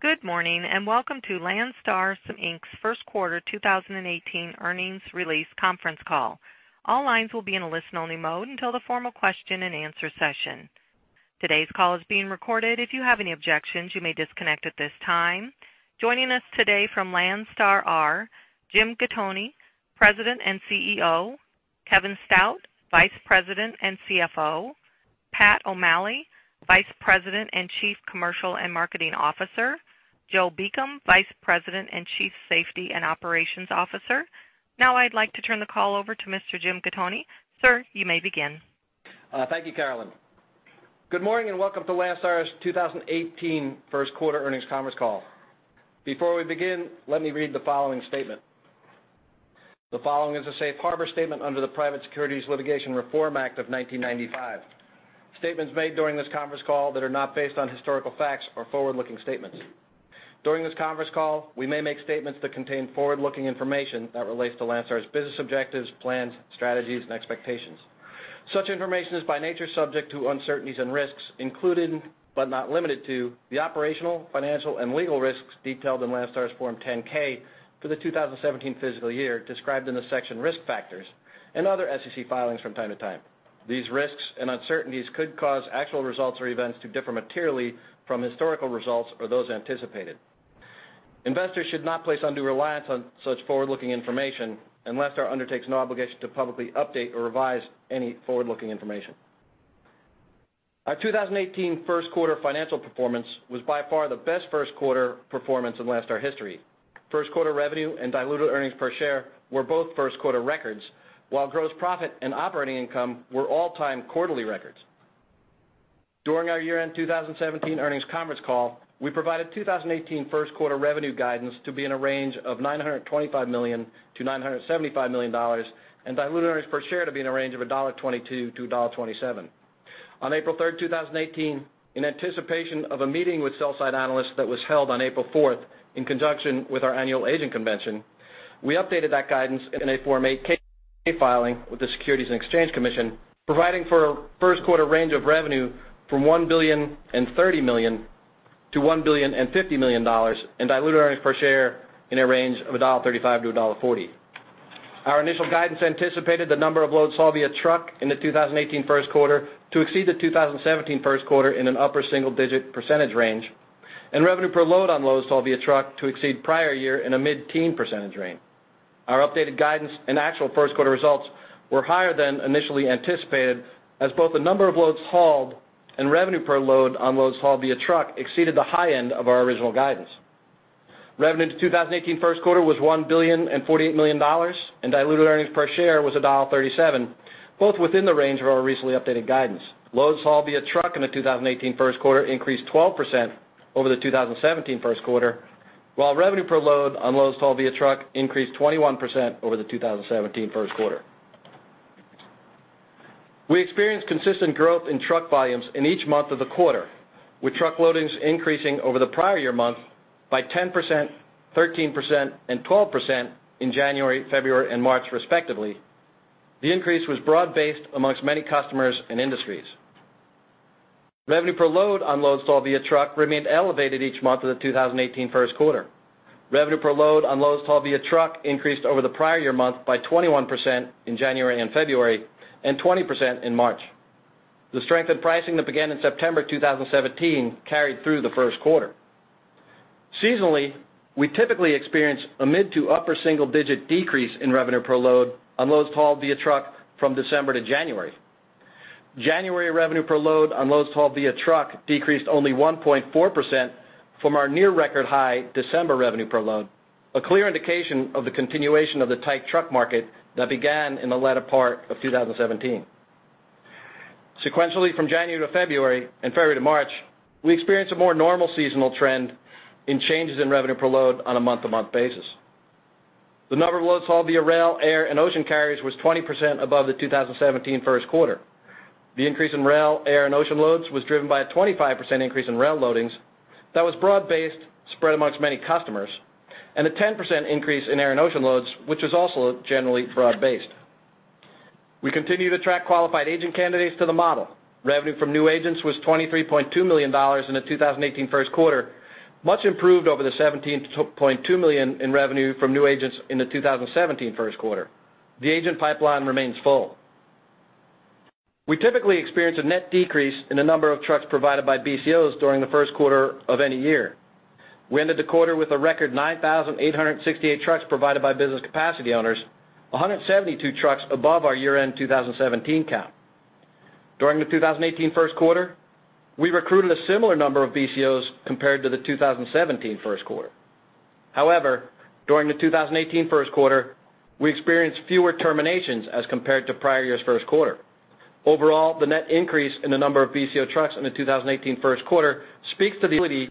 Good morning, and welcome to Landstar System, Inc.'s first quarter 2018 earnings release conference call. All lines will be in a listen-only mode until the formal question-and-answer session. Today's call is being recorded. If you have any objections, you may disconnect at this time. Joining us today from Landstar are Jim Gattoni, President and CEO; Kevin Stout, Vice President and CFO; Pat O'Malley, Vice President and Chief Commercial and Marketing Officer; Joe Beacom, Vice President and Chief Safety and Operations Officer. Now, I'd like to turn the call over to Mr. Jim Gattoni. Sir, you may begin. Thank you, Carolyn. Good morning, and welcome to Landstar's 2018 first quarter earnings conference call. Before we begin, let me read the following statement. The following is a safe harbor statement under the Private Securities Litigation Reform Act of 1995. Statements made during this conference call that are not based on historical facts are forward-looking statements. During this conference call, we may make statements that contain forward-looking information that relates to Landstar's business objectives, plans, strategies, and expectations. Such information is by nature subject to uncertainties and risks, including, but not limited to, the operational, financial, and legal risks detailed in Landstar's Form 10-K for the 2017 fiscal year, described in the section Risk Factors and other SEC filings from time to time. These risks and uncertainties could cause actual results or events to differ materially from historical results or those anticipated. Investors should not place undue reliance on such forward-looking information, and Landstar undertakes no obligation to publicly update or revise any forward-looking information. Our 2018 first quarter financial performance was by far the best first quarter performance in Landstar history. First quarter revenue and diluted earnings per share were both first quarter records, while gross profit and operating income were all-time quarterly records. During our year-end 2017 earnings conference call, we provided 2018 first quarter revenue guidance to be in a range of $925 million-$975 million, and diluted earnings per share to be in a range of $1.22-$1.27. On April 3, 2018, in anticipation of a meeting with sell-side analysts that was held on April 4th, in conjunction with our annual agent convention, we updated that guidance in a Form 8-K filing with the Securities and Exchange Commission, providing for a first quarter range of revenue from $1.03 billion-$1.05 billion, and diluted earnings per share in a range of $1.35-$1.40. Our initial guidance anticipated the number of loads hauled via truck in the 2018 first quarter to exceed the 2017 first quarter in an upper single-digit percentage range, and revenue per load on loads hauled via truck to exceed prior year in a mid-teen percentage range. Our updated guidance and actual first quarter results were higher than initially anticipated, as both the number of loads hauled and revenue per load on loads hauled via truck exceeded the high end of our original guidance. Revenue in the 2018 first quarter was $1,048 million, and diluted earnings per share was $1.37, both within the range of our recently updated guidance. Loads hauled via truck in the 2018 first quarter increased 12% over the 2017 first quarter, while revenue per load on loads hauled via truck increased 21% over the 2017 first quarter. We experienced consistent growth in truck volumes in each month of the quarter, with truck loadings increasing over the prior year month by 10%, 13%, and 12% in January, February, and March, respectively. The increase was broad-based amongst many customers and industries. Revenue per load on loads hauled via truck remained elevated each month of the 2018 first quarter. Revenue per load on loads hauled via truck increased over the prior year month by 21% in January and February, and 20% in March. The strength in pricing that began in September 2017 carried through the first quarter. Seasonally, we typically experience a mid- to upper single-digit decrease in revenue per load on loads hauled via truck from December to January. January revenue per load on loads hauled via truck decreased only 1.4% from our near record high December revenue per load, a clear indication of the continuation of the tight truck market that began in the latter part of 2017. Sequentially, from January to February and February to March, we experienced a more normal seasonal trend in changes in revenue per load on a month-to-month basis. The number of loads hauled via rail, air, and ocean carriers was 20% above the 2017 first quarter. The increase in rail, air, and ocean loads was driven by a 25% increase in rail loadings that was broad-based, spread among many customers, and a 10% increase in air and ocean loads, which is also generally broad-based. We continue to attract qualified agent candidates to the model. Revenue from new agents was $23.2 million in the 2018 first quarter, much improved over the $17.2 million in revenue from new agents in the 2017 first quarter. The agent pipeline remains full. We typically experience a net decrease in the number of trucks provided by BCOs during the first quarter of any year. We ended the quarter with a record 9,868 trucks provided by Business Capacity Owners, 172 trucks above our year-end 2017 count. During the 2018 first quarter, we recruited a similar number of BCOs compared to the 2017 first quarter. However, during the 2018 first quarter, we experienced fewer terminations as compared to prior year's first quarter. Overall, the net increase in the number of BCO trucks in the 2018 first quarter speaks to the ability...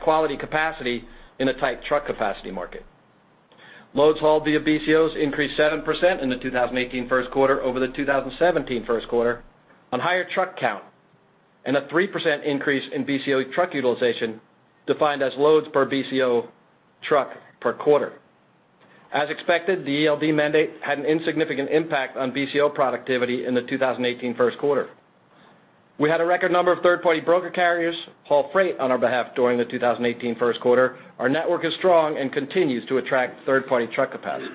quality capacity in a tight truck capacity market. Loads hauled via BCOs increased 7% in the 2018 first quarter over the 2017 first quarter on higher truck count, and a 3% increase in BCO truck utilization, defined as loads per BCO truck per quarter.... As expected, the ELD mandate had an insignificant impact on BCO productivity in the 2018 first quarter. We had a record number of third-party broker carriers haul freight on our behalf during the 2018 first quarter. Our network is strong and continues to attract third-party truck capacity.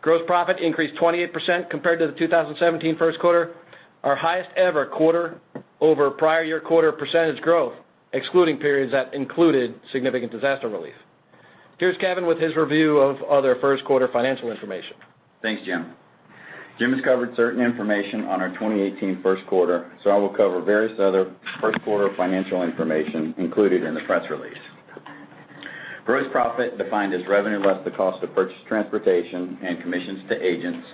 Gross profit increased 28% compared to the 2017 first quarter, our highest ever quarter-over-prior-year-quarter percentage growth, excluding periods that included significant disaster relief. Here's Kevin with his review of other first quarter financial information. Thanks, Jim. Jim has covered certain information on our 2018 first quarter, so I will cover various other first quarter financial information included in the press release. Gross profit, defined as revenue less the cost of purchased transportation and commissions to agents,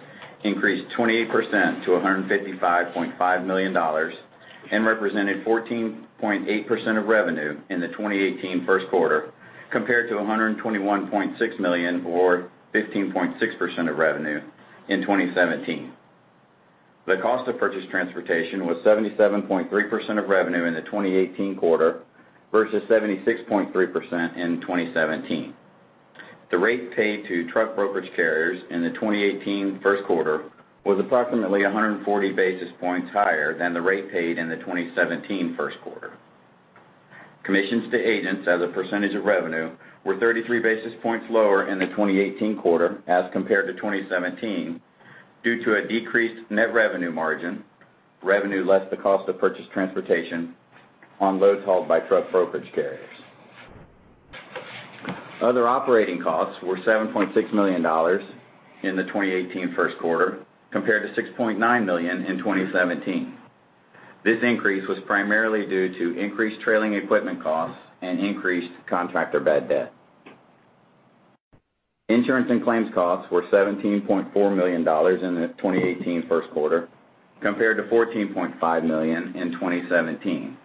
increased 28% to $155.5 million and represented 14.8% of revenue in the 2018 first quarter, compared to $121.6 million, or 15.6% of revenue, in 2017. The cost of purchased transportation was 77.3% of revenue in the 2018 quarter versus 76.3% in 2017. The rate paid to truck brokerage carriers in the 2018 first quarter was approximately 140 basis points higher than the rate paid in the 2017 first quarter. Commissions to agents as a percentage of revenue were 33 basis points lower in the 2018 quarter as compared to 2017 due to a decreased net revenue margin, revenue less the cost of purchased transportation on loads hauled by truck brokerage carriers. Other operating costs were $7.6 million in the 2018 first quarter, compared to $6.9 million in 2017. This increase was primarily due to increased trailing equipment costs and increased contractor bad debt. Insurance and claims costs were $17.4 million in the 2018 first quarter, compared to $14.5 million in 2017.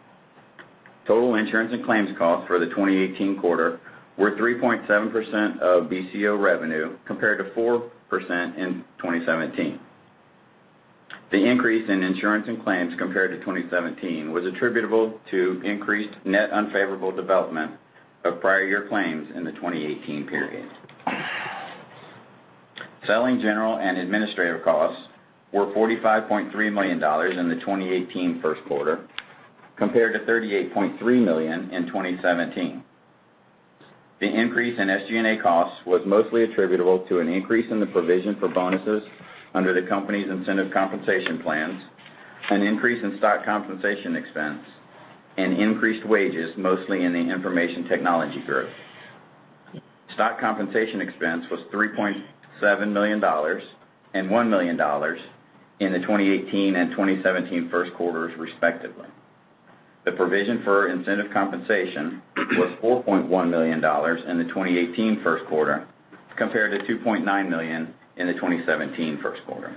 Total insurance and claims costs for the 2018 quarter were 3.7% of BCO revenue, compared to 4% in 2017. The increase in insurance and claims compared to 2017 was attributable to increased net unfavorable development of prior year claims in the 2018 period. Selling general and administrative costs were $45.3 million in the 2018 first quarter, compared to $38.3 million in 2017. The increase in SG&A costs was mostly attributable to an increase in the provision for bonuses under the company's incentive compensation plans, an increase in stock compensation expense, and increased wages, mostly in the information technology group. Stock compensation expense was $3.7 million and $1 million in the 2018 and 2017 first quarters, respectively. The provision for incentive compensation was $4.1 million in the 2018 first quarter, compared to $2.9 million in the 2017 first quarter.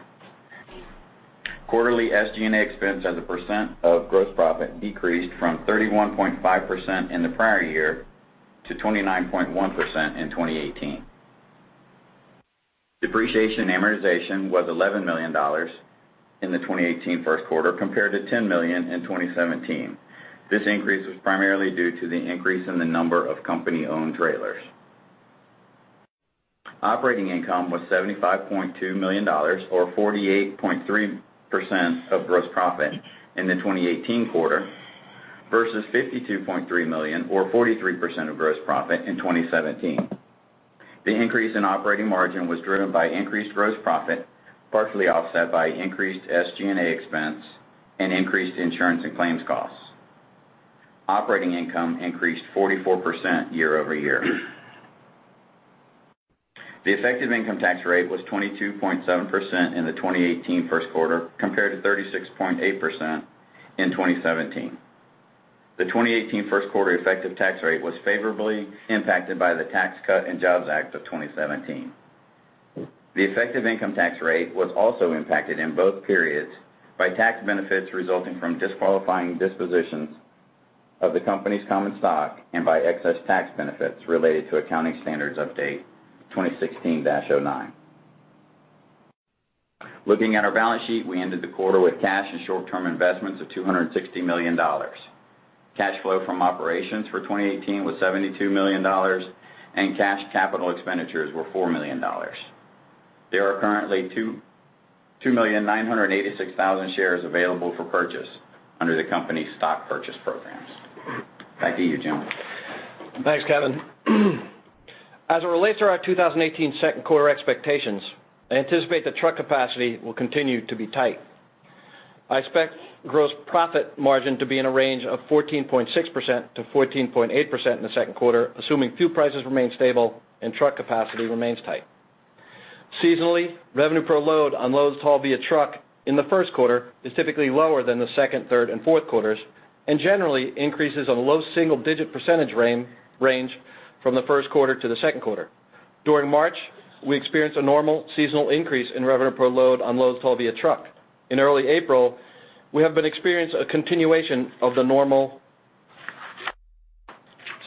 Quarterly SG&A expense as a percent of gross profit decreased from 31.5% in the prior year to 29.1% in 2018. Depreciation and amortization was $11 million in the 2018 first quarter, compared to $10 million in 2017. This increase was primarily due to the increase in the number of company-owned trailers. Operating income was $75.2 million, or 48.3% of gross profit, in the 2018 quarter, versus $52.3 million, or 43% of gross profit, in 2017. The increase in operating margin was driven by increased gross profit, partially offset by increased SG&A expense and increased insurance and claims costs. Operating income increased 44% year-over-year. The effective income tax rate was 22.7% in the 2018 first quarter, compared to 36.8% in 2017. The 2018 first quarter effective tax rate was favorably impacted by the Tax Cuts and Jobs Act of 2017. The effective income tax rate was also impacted in both periods by tax benefits resulting from disqualifying dispositions of the company's common stock and by excess tax benefits related to Accounting Standards Update 2016-09. Looking at our balance sheet, we ended the quarter with cash and short-term investments of $260 million. Cash flow from operations for 2018 was $72 million, and cash capital expenditures were $4 million. There are currently 2,986,000 shares available for purchase under the company's stock purchase programs. Back to you, Jim. Thanks, Kevin. As it relates to our 2018 second quarter expectations, I anticipate that truck capacity will continue to be tight. I expect gross profit margin to be in a range of 14.6%-14.8% in the second quarter, assuming fuel prices remain stable and truck capacity remains tight. Seasonally, revenue per load on loads hauled via truck in the first quarter is typically lower than the second, third, and fourth quarters, and generally increases on a low single-digit percentage range from the first quarter to the second quarter. During March, we experienced a normal seasonal increase in revenue per load on loads hauled via truck. In early April, we have been experiencing a continuation of the normal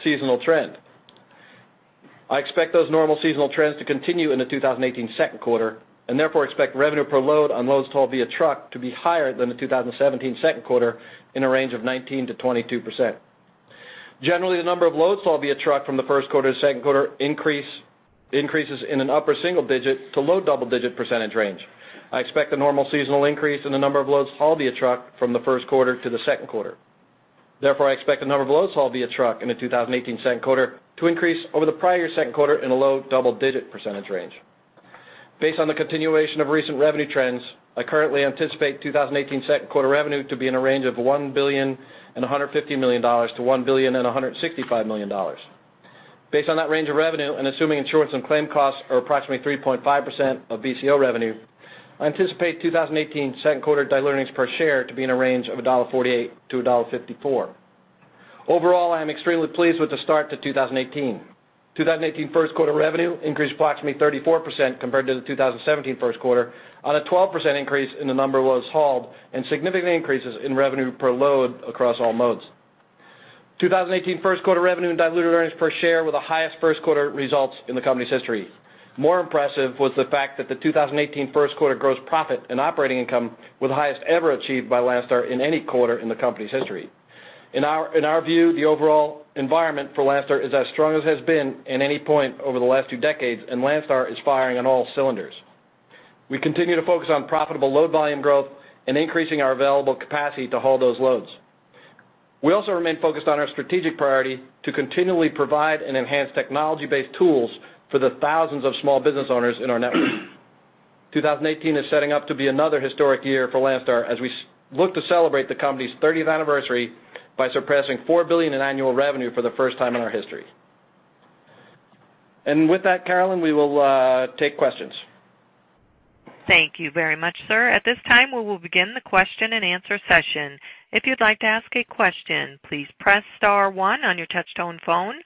seasonal trend. I expect those normal seasonal trends to continue in the 2018 second quarter, and therefore, expect revenue per load on loads hauled via truck to be higher than the 2017 second quarter, in a range of 19%-22%. Generally, the number of loads hauled via truck from the first quarter to second quarter increases in an upper single-digit to low double-digit percentage range. I expect a normal seasonal increase in the number of loads hauled via truck from the first quarter to the second quarter. Therefore, I expect the number of loads hauled via truck in the 2018 second quarter to increase over the prior second quarter in a low double-digit percentage range. Based on the continuation of recent revenue trends, I currently anticipate 2018 second quarter revenue to be in a range of $1.15 billion-$1.165 billion. Based on that range of revenue, and assuming insurance and claim costs are approximately 3.5% of BCO revenue, I anticipate 2018 second quarter diluted earnings per share to be in a range of $1.48-$1.54. Overall, I am extremely pleased with the start to 2018. 2018 first quarter revenue increased approximately 34% compared to the 2017 first quarter, on a 12% increase in the number of loads hauled and significant increases in revenue per load across all modes. 2018 first quarter revenue and diluted earnings per share were the highest first quarter results in the company's history. More impressive was the fact that the 2018 first quarter gross profit and operating income were the highest ever achieved by Landstar in any quarter in the company's history. In our view, the overall environment for Landstar is as strong as it has been at any point over the last two decades, and Landstar is firing on all cylinders. We continue to focus on profitable load volume growth and increasing our available capacity to haul those loads. We also remain focused on our strategic priority to continually provide and enhance technology-based tools for the thousands of small business owners in our network. 2018 is setting up to be another historic year for Landstar as we look to celebrate the company's thirtieth anniversary by surpassing $4 billion in annual revenue for the first time in our history. With that, Carolyn, we will take questions. Thank you very much, sir. At this time, we will begin the question-and-answer session. If you'd like to ask a question, please press star one on your touchtone phone.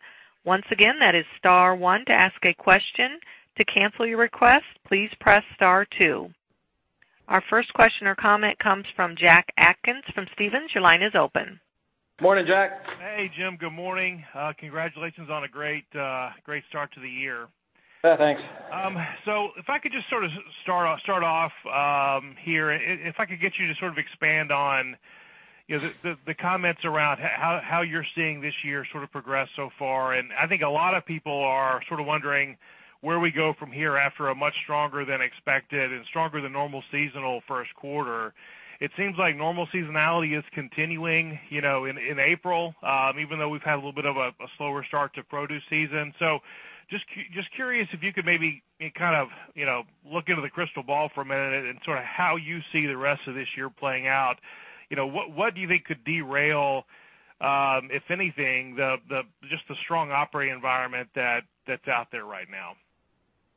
Once again, that is star one to ask a question. To cancel your request, please press star two. Our first question or comment comes from Jack Atkins from Stephens. Your line is open. Morning, Jack. Hey, Jim, good morning. Congratulations on a great, great start to the year. Yeah, thanks. So if I could just sort of start off here, if I could get you to sort of expand on, you know, the comments around how you're seeing this year sort of progress so far. And I think a lot of people are sort of wondering where we go from here after a much stronger than expected and stronger than normal seasonal first quarter. It seems like normal seasonality is continuing, you know, in April, even though we've had a little bit of a slower start to produce season. So just curious if you could maybe kind of, you know, look into the crystal ball for a minute and sort of how you see the rest of this year playing out. You know, what do you think could derail, if anything, just the strong operating environment that's out there right now?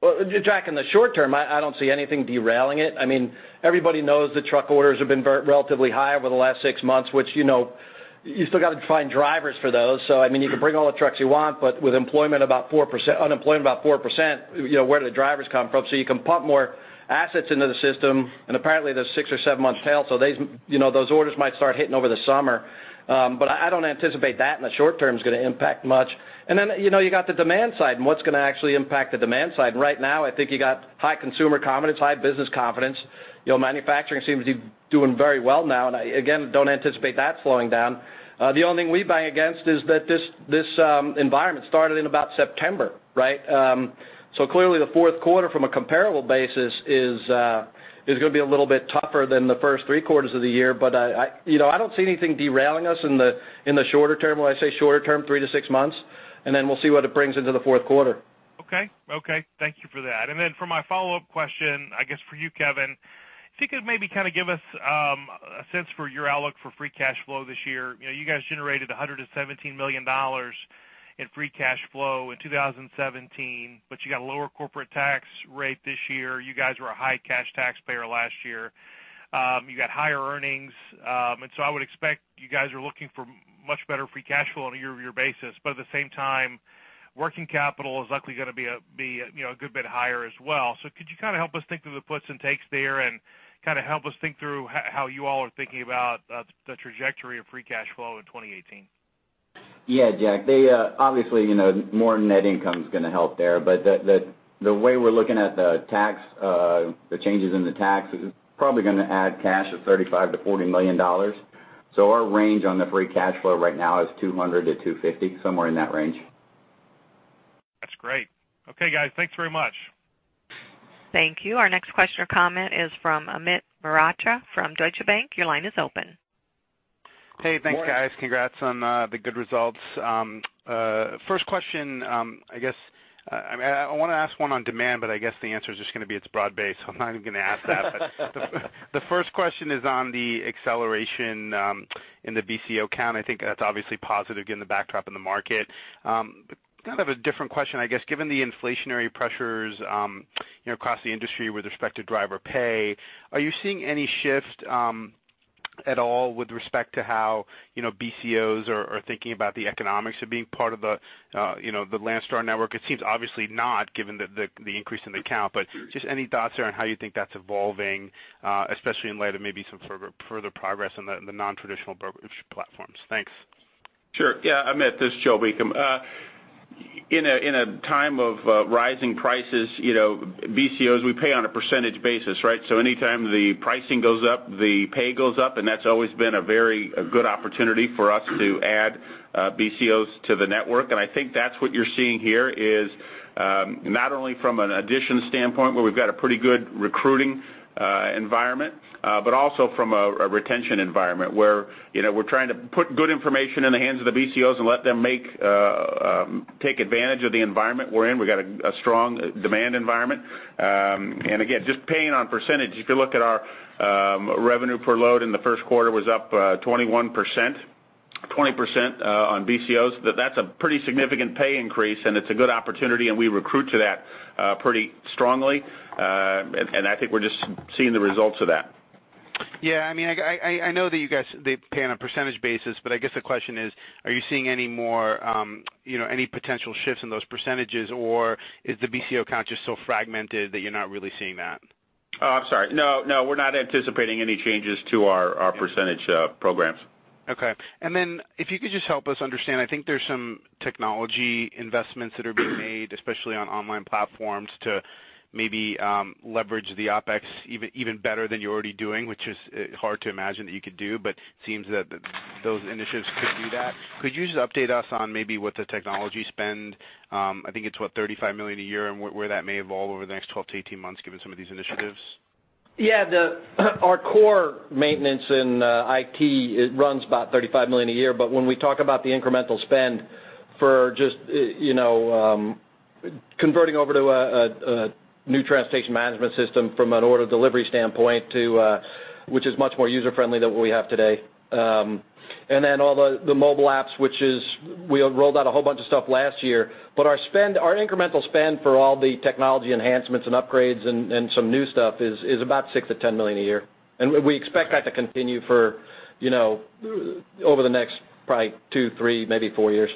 Well, Jack, in the short term, I don't see anything derailing it. I mean, everybody knows the truck orders have been relatively high over the last six months, which, you know, you still got to find drivers for those. So, I mean, you can bring all the trucks you want, but with employment about 4%, unemployment about 4%, you know, where do the drivers come from? So you can pump more assets into the system, and apparently, there's six or seven months tail, so they, you know, those orders might start hitting over the summer. But I don't anticipate that in the short term is going to impact much. And then, you know, you got the demand side, and what's going to actually impact the demand side? Right now, I think you got high consumer confidence, high business confidence. You know, manufacturing seems to be doing very well now, and I, again, don't anticipate that slowing down. The only thing we buy against is that this environment started in about September, right? So clearly, the fourth quarter, from a comparable basis, is going to be a little bit tougher than the first three quarters of the year. But... You know, I don't see anything derailing us in the shorter term. When I say shorter term, three to six months, and then we'll see what it brings into the fourth quarter. Okay. Okay, thank you for that. And then for my follow-up question, I guess, for you, Kevin, if you could maybe kind of give us a sense for your outlook for free cash flow this year. You know, you guys generated $117 million in free cash flow in 2017, but you got a lower corporate tax rate this year. You guys were a high cash taxpayer last year. You got higher earnings, and so I would expect you guys are looking for much better free cash flow on a year-over-year basis. But at the same time, working capital is likely going to be a good bit higher as well. So could you kind of help us think through the puts and takes there and kind of help us think through how you all are thinking about the trajectory of free cash flow in 2018? Yeah, Jack, obviously, you know, more net income is going to help there, but the way we're looking at the tax changes in the tax is probably going to add cash of $35 million-$40 million. So our range on the free cash flow right now is $200 million-$250 million, somewhere in that range. That's great. Okay, guys, thanks very much. Thank you. Our next question or comment is from Amit Mehrotra from Deutsche Bank. Your line is open. Hey, thanks, guys. Good morning. Congrats on the good results. First question, I guess, I want to ask one on demand, but I guess the answer is just going to be it's broad-based, so I'm not even going to ask that. But the first question is on the acceleration in the BCO count. I think that's obviously positive given the backdrop in the market. But kind of a different question, I guess, given the inflationary pressures, you know, across the industry with respect to driver pay, are you seeing any shift at all with respect to how, you know, BCOs are thinking about the economics of being part of the, you know, the Landstar network? It seems obviously not, given the increase in the count, but just any thoughts there on how you think that's evolving, especially in light of maybe some further progress on the nontraditional brokerage platforms? Thanks. Sure. Yeah, Amit, this is Joe Beacom. In a time of rising prices, you know, BCOs, we pay on a percentage basis, right? So anytime the pricing goes up, the pay goes up, and that's always been a very good opportunity for us to add BCOs to the network. And I think that's what you're seeing here, is not only from an addition standpoint, where we've got a pretty good recruiting environment, but also from a retention environment, where, you know, we're trying to put good information in the hands of the BCOs and let them take advantage of the environment we're in. We got a strong demand environment. And again, just paying on percentage, if you look at our revenue per load in the first quarter was up 21%, 20% on BCOs. That's a pretty significant pay increase, and it's a good opportunity, and we recruit to that pretty strongly. And I think we're just seeing the results of that. Yeah, I mean, I know that you guys, they pay on a percentage basis, but I guess the question is: are you seeing any more, you know, any potential shifts in those percentages, or is the BCO count just so fragmented that you're not really seeing that? Oh, I'm sorry. No, no, we're not anticipating any changes to our, our percentage programs. Okay. And then if you could just help us understand, I think there's some technology investments that are being made, especially on online platforms, to maybe, leverage the OpEx even, even better than you're already doing, which is, hard to imagine that you could do, but it seems that those initiatives could do that. Could you just update us on maybe what the technology spend, I think it's, what, $35 million a year, and where that may evolve over the next 12-18 months, given some of these initiatives? Yeah, our core maintenance in IT, it runs about $35 million a year. But when we talk about the incremental spend for just, you know, converting over to a new transportation management system from an order delivery standpoint to, which is much more user-friendly than what we have today. And then all the mobile apps, which we rolled out a whole bunch of stuff last year. But our spend, our incremental spend for all the technology enhancements and upgrades and some new stuff is about $6 million-$10 million a year. And we expect that to continue for, you know, over the next probably 2, 3, maybe 4 years.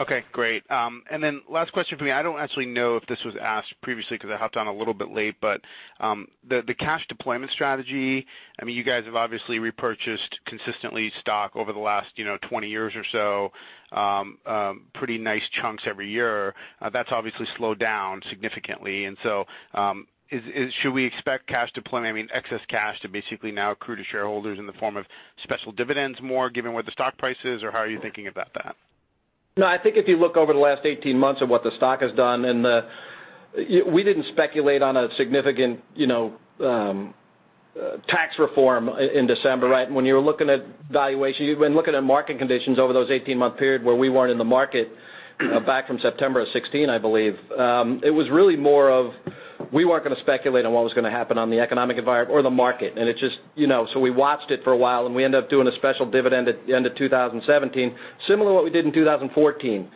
Okay, great. And then last question for me. I don't actually know if this was asked previously because I hopped on a little bit late, but the cash deployment strategy, I mean, you guys have obviously repurchased consistently stock over the last, you know, 20 years or so, pretty nice chunks every year. That's obviously slowed down significantly. And so, should we expect cash deployment, I mean, excess cash, to basically now accrue to shareholders in the form of special dividends more, given where the stock price is, or how are you thinking about that? No, I think if you look over the last 18 months of what the stock has done, and the... We didn't speculate on a significant, you know, tax reform in December, right? When you were looking at valuation, you've been looking at market conditions over those 18-month period, where we weren't in the market back from September of 2016, I believe. It was really more of, we weren't going to speculate on what was going to happen on the economic environment or the market. It just, you know, so we watched it for a while, and we ended up doing a special dividend at the end of 2017. Similar to what we did in 2014,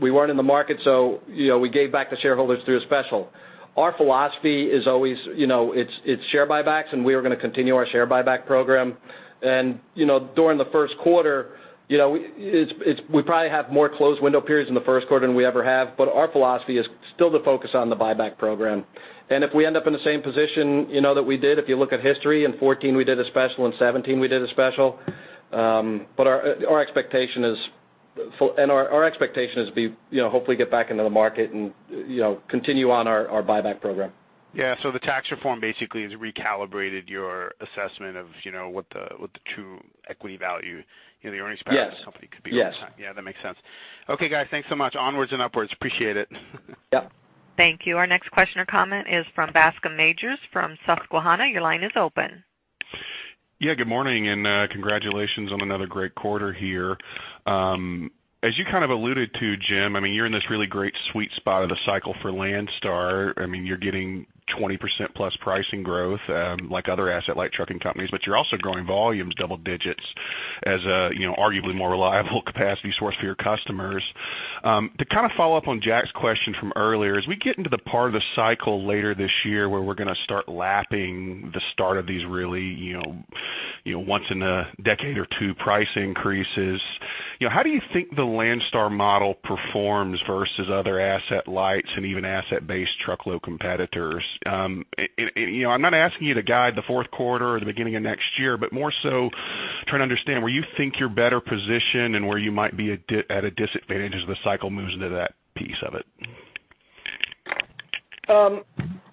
we weren't in the market, so, you know, we gave back to shareholders through a special. Our philosophy is always, you know, it's share buybacks, and we are going to continue our share buyback program. You know, during the first quarter, you know, we probably have more closed window periods in the first quarter than we ever have, but our philosophy is still to focus on the buyback program. If we end up in the same position, you know, that we did, if you look at history, in 2014, we did a special, in 2017 we did a special. But our expectation is to be, you know, hopefully get back into the market and, you know, continue on our buyback program. Yeah, so the tax reform basically has recalibrated your assessment of, you know, what the true equity value, you know, the earnings power. Yes. of the company could be over time. Yes. Yeah, that makes sense. Okay, guys, thanks so much. Onwards and upwards. Appreciate it. Yep. Thank you. Our next question or comment is from Bascom Majors from Susquehanna. Your line is open. Yeah, good morning, and congratulations on another great quarter here. As you kind of alluded to, Jim, I mean, you're in this really great sweet spot of the cycle for Landstar. I mean, you're getting 20%+ pricing growth, like other asset-light trucking companies, but you're also growing volumes double digits as a, you know, arguably more reliable capacity source for your customers. To kind of follow up on Jack's question from earlier, as we get into the part of the cycle later this year, where we're going to start lapping the start of these really, you know, once in a decade or two price increases, you know, how do you think the Landstar model performs versus other asset-lights and even asset-based truckload competitors? you know, I'm not asking you to guide the fourth quarter or the beginning of next year, but more so trying to understand where you think you're better positioned and where you might be at a disadvantage as the cycle moves into that piece of it.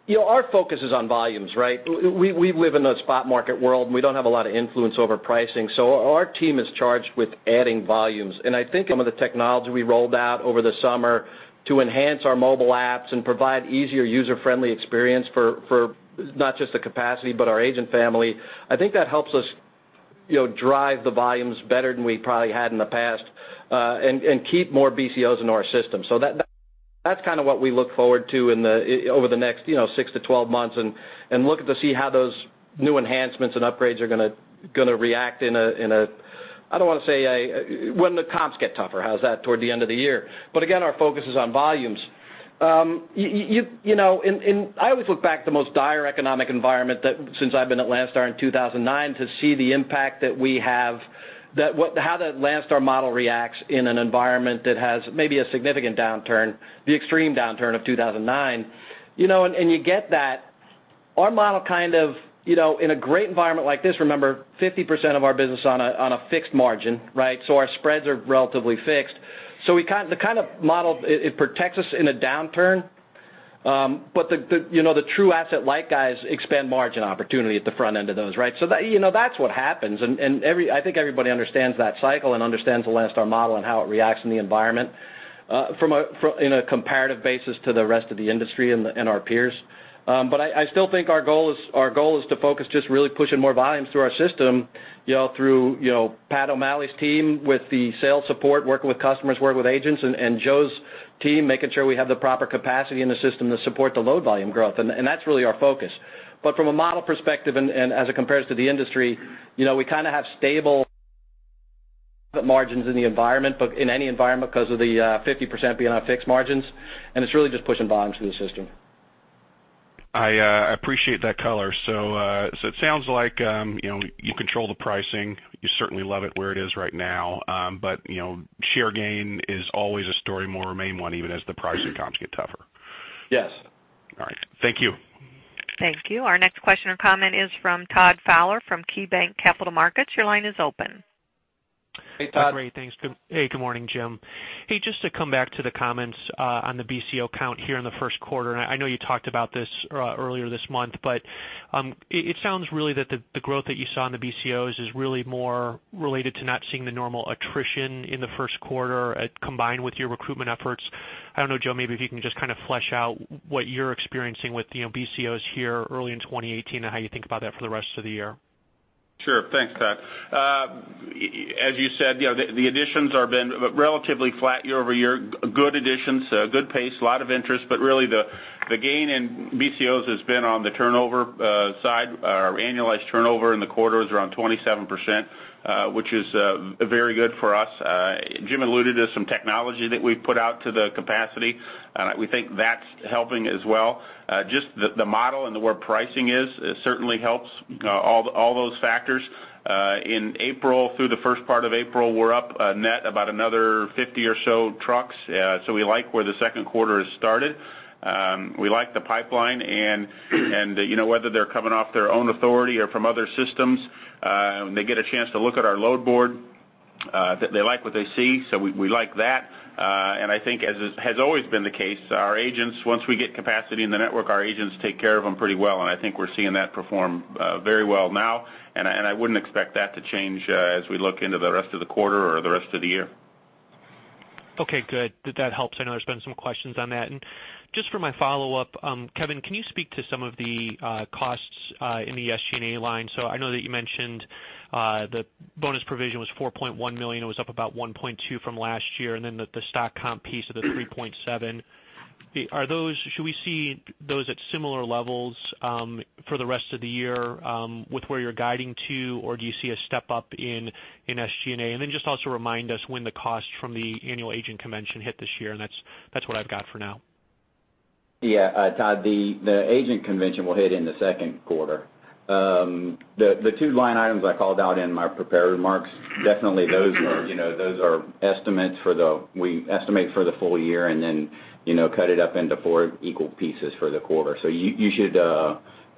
You know, our focus is on volumes, right? We live in a spot market world, and we don't have a lot of influence over pricing, so our team is charged with adding volumes. And I think some of the technology we rolled out over the summer to enhance our mobile apps and provide easier, user-friendly experience for not just the capacity, but our agent family, I think that helps us, you know, drive the volumes better than we probably had in the past, and keep more BCOs in our system. So that, that's kind of what we look forward to in the over the next, you know, 6-12 months, and look to see how those new enhancements and upgrades are gonna react in a, I don't want to say a, when the comps get tougher, how's that? Toward the end of the year. But again, our focus is on volumes. You know, I always look back at the most dire economic environment that, since I've been at Landstar in 2009, to see the impact that we have, how the Landstar model reacts in an environment that has maybe a significant downturn, the extreme downturn of 2009, you know, and you get that. Our model kind of, you know, in a great environment like this, remember, 50% of our business on a fixed margin, right? So our spreads are relatively fixed. So we kind of model, it protects us in a downturn, but the, you know, the true asset light guys expand margin opportunity at the front end of those, right? So that, you know, that's what happens. I think everybody understands that cycle and understands the Landstar model and how it reacts in the environment from a comparative basis to the rest of the industry and our peers. But I still think our goal is, our goal is to focus just really pushing more volumes through our system, you know, through, you know, Pat O'Malley's team with the sales support, working with customers, working with agents, and Joe's team, making sure we have the proper capacity in the system to support the load volume growth, and that's really our focus. But from a model perspective and, and as it compares to the industry, you know, we kind of have stable margins in the environment, but in any environment because of the 50% being on fixed margins, and it's really just pushing volumes through the system. I appreciate that color. So it sounds like, you know, you control the pricing. You certainly love it where it is right now, but, you know, share gain is always a story, more a main one, even as the pricing comps get tougher. Yes. All right. Thank you. Thank you. Our next question or comment is from Todd Fowler from KeyBanc Capital Markets. Your line is open. Hey, Todd. Great. Thanks. Good morning, Jim. Hey, just to come back to the comments on the BCO count here in the first quarter, and I know you talked about this earlier this month, but it sounds really that the growth that you saw in the BCOs is really more related to not seeing the normal attrition in the first quarter combined with your recruitment efforts. I don't know, Joe, maybe if you can just kind of flesh out what you're experiencing with, you know, BCOs here early in 2018 and how you think about that for the rest of the year. Sure. Thanks, Todd. As you said, you know, the additions have been relatively flat year-over-year. Good additions, good pace, a lot of interest, but really, the gain in BCOs has been on the turnover side. Our annualized turnover in the quarter is around 27%, which is very good for us. Jim alluded to some technology that we've put out to the capacity, and we think that's helping as well. Just the model and where pricing is, it certainly helps, all those factors. In April, through the first part of April, we're up net about another 50 or so trucks. So we like where the second quarter has started. We like the pipeline, and you know, whether they're coming off their own authority or from other systems, when they get a chance to look at our load board, they like what they see, so we like that. And I think as has always been the case, our agents, once we get capacity in the network, our agents take care of them pretty well, and I think we're seeing that perform very well now, and I wouldn't expect that to change, as we look into the rest of the quarter or the rest of the year. Okay, good. That helps. I know there's been some questions on that. And just for my follow-up, Kevin, can you speak to some of the costs in the SG&A line? So I know that you mentioned the bonus provision was $4.1 million. It was up about $1.2 million from last year, and then the stock comp piece of the $3.7 million. Are those-should we see those at similar levels for the rest of the year with where you're guiding to, or do you see a step-up in SG&A? And then just also remind us when the costs from the annual agent convention hit this year, and that's what I've got for now. Yeah, Todd, the agent convention will hit in the second quarter. The two line items I called out in my prepared remarks, definitely those are, you know, those are estimates. We estimate for the full year and then, you know, cut it up into four equal pieces for the quarter. So you should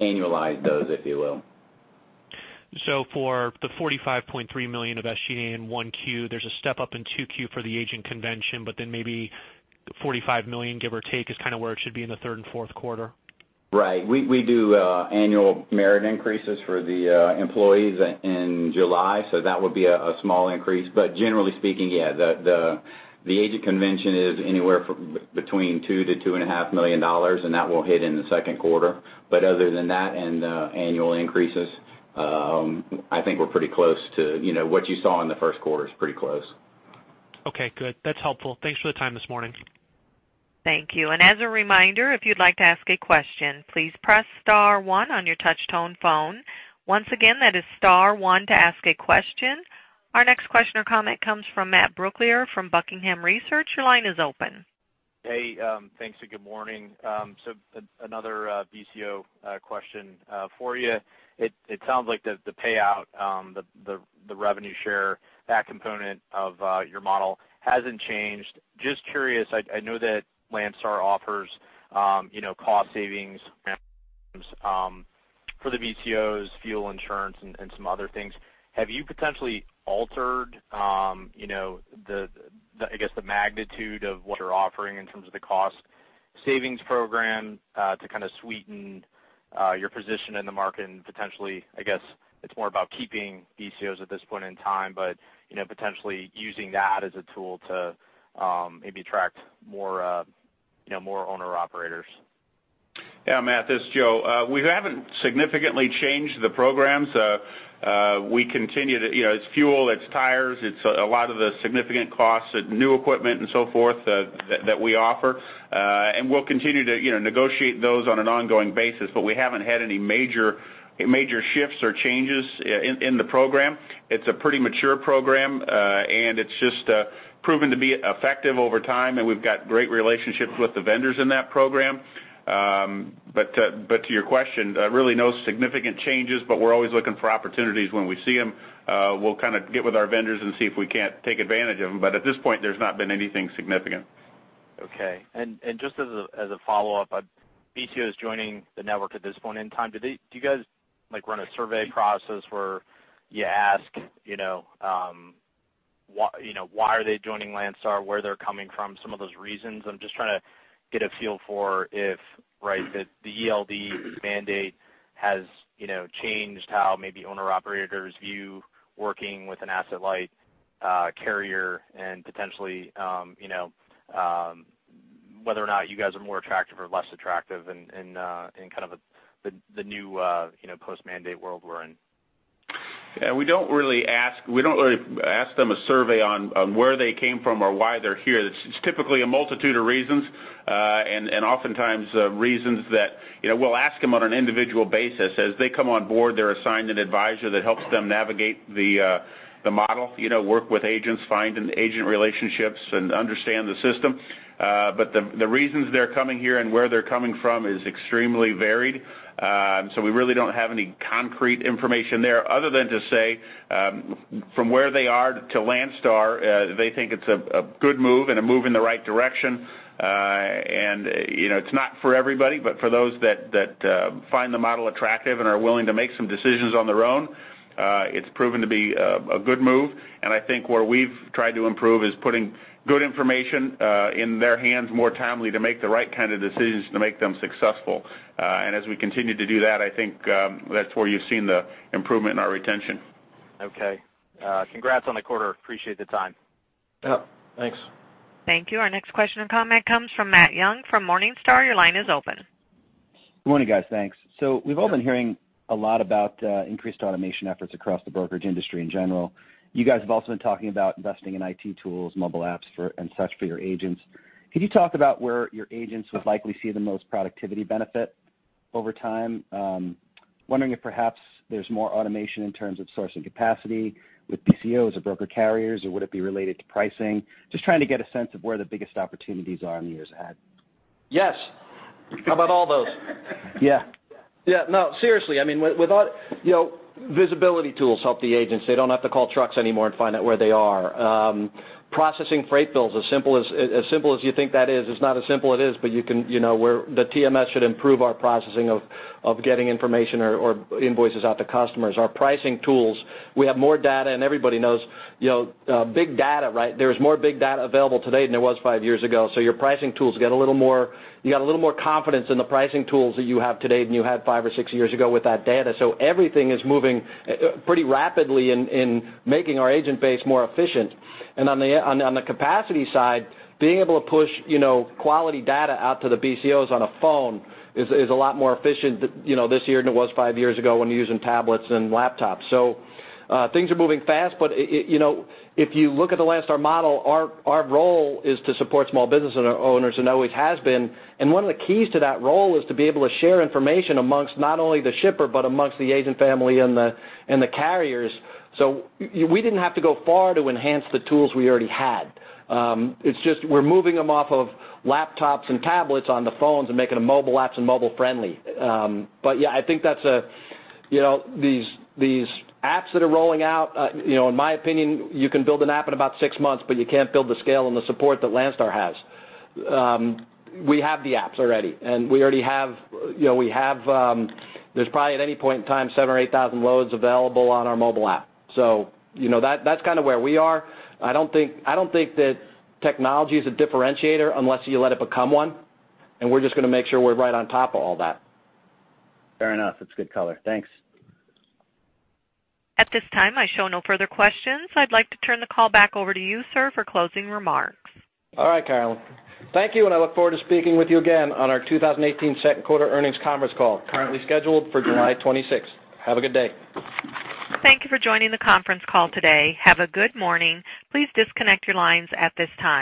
annualize those, if you will. So for the $45.3 million of SG&A in 1Q, there's a step up in 2Q for the agent convention, but then maybe $45 million, give or take, is kind of where it should be in the third and fourth quarter? Right. We do annual merit increases for the employees in July, so that would be a small increase. But generally speaking, yeah, the agent convention is anywhere from between $2 million-$2.5 million, and that will hit in the second quarter. But other than that and annual increases, I think we're pretty close to, you know, what you saw in the first quarter is pretty close. Okay, good. That's helpful. Thanks for the time this morning. Thank you. And as a reminder, if you'd like to ask a question, please press star one on your touch tone phone. Once again, that is star one to ask a question. Our next question or comment comes from Matt Brooklier from Buckingham Research. Your line is open. Hey, thanks and good morning. So another BCO question for you. It sounds like the payout, the revenue share, that component of your model hasn't changed. Just curious, I know that Landstar offers, you know, cost savings for the BCOs, fuel, insurance, and some other things. Have you potentially altered, you know, the, I guess, the magnitude of what you're offering in terms of the cost savings program to kind of sweeten your position in the market and potentially, I guess, it's more about keeping BCOs at this point in time, but, you know, potentially using that as a tool to maybe attract more, you know, more owner-operators? Yeah, Matt, this is Joe. We haven't significantly changed the programs. We continue to... You know, it's fuel, it's tires, it's a lot of the significant costs, new equipment and so forth, that, that we offer. And we'll continue to, you know, negotiate those on an ongoing basis, but we haven't had any major, major shifts or changes in the program. It's a pretty mature program, and it's just proven to be effective over time, and we've got great relationships with the vendors in that program. But to your question, really no significant changes, but we're always looking for opportunities when we see them. We'll kind of get with our vendors and see if we can't take advantage of them. But at this point, there's not been anything significant.... Okay, and just as a follow-up, BCO is joining the network at this point in time. Do they do you guys, like, run a survey process where you ask, you know, why are they joining Landstar, where they're coming from, some of those reasons? I'm just trying to get a feel for if, right, the ELD mandate has, you know, changed how maybe owner-operators view working with an asset like carrier and potentially, you know, whether or not you guys are more attractive or less attractive in kind of the new post-mandate world we're in. Yeah, we don't really ask them a survey on where they came from or why they're here. It's typically a multitude of reasons and oftentimes reasons that, you know, we'll ask them on an individual basis. As they come on board, they're assigned an advisor that helps them navigate the model, you know, work with agents, find an agent relationships, and understand the system. But the reasons they're coming here and where they're coming from is extremely varied. So we really don't have any concrete information there other than to say, from where they are to Landstar, they think it's a good move and a move in the right direction. You know, it's not for everybody, but for those that find the model attractive and are willing to make some decisions on their own, it's proven to be a good move. I think where we've tried to improve is putting good information in their hands more timely to make the right kind of decisions to make them successful. As we continue to do that, I think that's where you've seen the improvement in our retention. Okay. Congrats on the quarter. Appreciate the time. Yep, thanks. Thank you. Our next question and comment comes from Matt Young from Morningstar. Your line is open. Good morning, guys. Thanks. So we've all been hearing a lot about increased automation efforts across the brokerage industry in general. You guys have also been talking about investing in IT tools, mobile apps for, and such for your agents. Could you talk about where your agents would likely see the most productivity benefit over time? Wondering if perhaps there's more automation in terms of sourcing capacity with BCOs or broker carriers, or would it be related to pricing? Just trying to get a sense of where the biggest opportunities are in the years ahead. Yes. How about all those? Yeah. Yeah. No, seriously, I mean, with, without, you know, visibility tools help the agents. They don't have to call trucks anymore and find out where they are. Processing freight bills, as simple as, as simple as you think that is, it's not as simple it is, but you can, you know, where the TMS should improve our processing of, of getting information or, or invoices out to customers. Our pricing tools, we have more data, and everybody knows, you know, big data, right? There's more big data available today than there was five years ago. So your pricing tools get a little more... You got a little more confidence in the pricing tools that you have today than you had five or six years ago with that data. So everything is moving pretty rapidly in, in making our agent base more efficient. On the capacity side, being able to push, you know, quality data out to the BCOs on a phone is a lot more efficient, you know, this year than it was five years ago when using tablets and laptops. So, things are moving fast, but it, you know, if you look at the Landstar model, our role is to support small business owners and always has been. And one of the keys to that role is to be able to share information amongst not only the shipper, but amongst the agent, family, and the carriers. So we didn't have to go far to enhance the tools we already had. It's just we're moving them off of laptops and tablets on the phones and making them mobile apps and mobile friendly. But yeah, I think that's a, you know, these, these apps that are rolling out, you know, in my opinion, you can build an app in about 6 months, but you can't build the scale and the support that Landstar has. We have the apps already, and we already have, you know, we have, there's probably, at any point in time, 7,000 or 8,000 loads available on our mobile app. So, you know, that, that's kind of where we are. I don't think, I don't think that technology is a differentiator unless you let it become one, and we're just gonna make sure we're right on top of all that. Fair enough. It's good color. Thanks. At this time, I show no further questions. I'd like to turn the call back over to you, sir, for closing remarks. All right, Carolyn. Thank you, and I look forward to speaking with you again on our 2018 second quarter earnings conference call, currently scheduled for July 26th. Have a good day. Thank you for joining the conference call today. Have a good morning. Please disconnect your lines at this time.